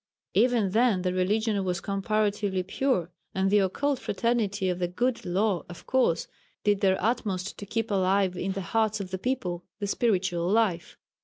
Even then the religion was comparatively pure, and the occult fraternity of the "Good Law" of course did their utmost to keep alive in the hearts of the people the spiritual life.